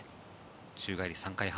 宙返り３回半。